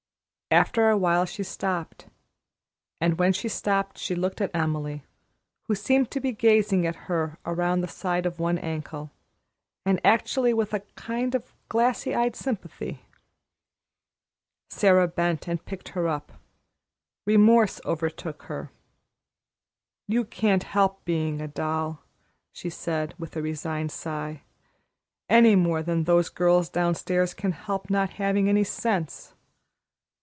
After a while she stopped, and when she stopped she looked at Emily, who seemed to be gazing at her around the side of one ankle, and actually with a kind of glassy eyed sympathy. Sara bent and picked her up. Remorse overtook her. "You can't help being a doll," she said, with a resigned sigh, "any more than those girls downstairs can help not having any sense.